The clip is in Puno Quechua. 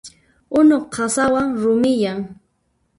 Unu qasawan rumiyan.